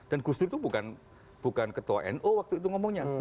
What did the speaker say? dan gustur itu bukan ketua nu waktu itu ngomongnya